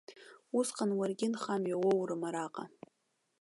Усҟан уаргьы нхамҩа уоурым араҟа!